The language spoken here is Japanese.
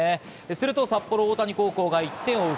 すると札幌大谷高校が１点を追う